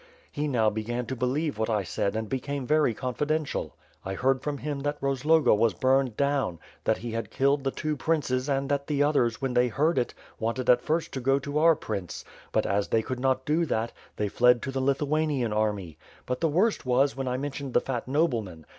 He now began to believe what I said and became very confidential. I heard from him that Rozloga was burned down; that he had killed the two princes and that the others, when they heard it, wanted at first to go to our prince; but, as they could not do that, they fled to the Lithuanian army. But the worst was, when I mentioned the fat nobleman.